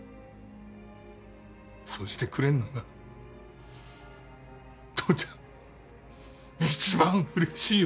そうしてくれんのが父ちゃん一番うれしいよ。